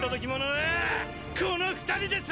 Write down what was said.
はぁこの２人です！